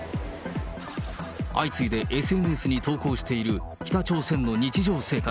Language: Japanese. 相次いでＳＮＳに投稿している北朝鮮の日常生活。